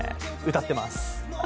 歌ってます。